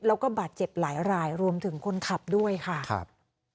แล้วก็บาดเจ็บหลายรายรวมถึงคนขับด้วยค่ะครับ